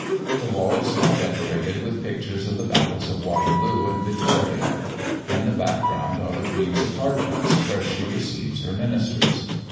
The walls are decorated with pictures of the battles of Waterloo and Vittoria; in the back ground are the Queen's apartments, where she receives her ministers.